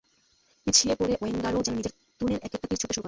পিছিয়ে পড়ে ওয়েঙ্গারও যেন নিজের তুণের একেকটা তির ছুড়তে শুরু করেন।